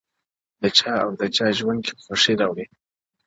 د چا او چا ژوند كي خوښي راوړي،